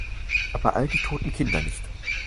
Aber all die toten Kinder nicht.